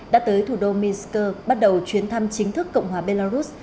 đã tới thủ đô minsk bắt đầu chuyến thăm chính thức cộng hòa belarus